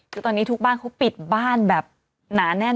คือตอนนี้ทุกบ้านเขาปิดบ้านแบบหนาแน่น